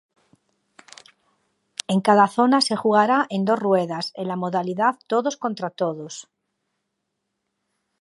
En cada zona se jugará en dos ruedas, en la modalidad todos contra todos.